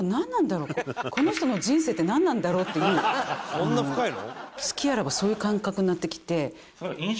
「そんな深いの？」